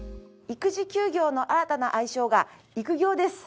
育児休業の新たな愛称が「育業」です。